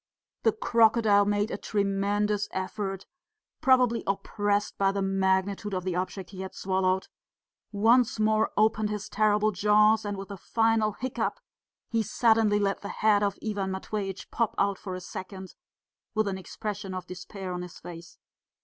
The crocodile made a tremendous effort, probably oppressed by the magnitude of the object he had swallowed, once more opened his terrible jaws, and with a final hiccup he suddenly let the head of Ivan Matveitch pop out for a second, with an expression of despair on his face.